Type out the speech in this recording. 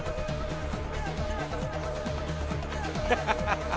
ハハハハ！